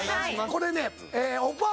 これね。